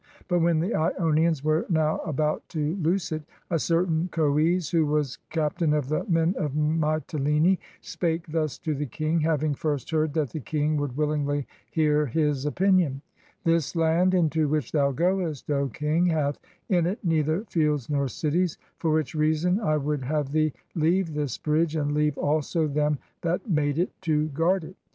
But when the lonians were now about to loose it, a certain Goes, who was cap tain of the men of Mitylcne, spake thus to the king, having first heard that the king would willingly hear his opinion: "This land into which thou goest, O King, hath in it neither fields nor cities; for which reason I would have thee leave this bridge, and leave also them that made it to guard it.